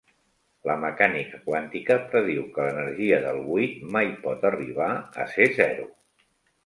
La mecànica quàntica prediu que l'energia del buit mai pot arribar a ser zero.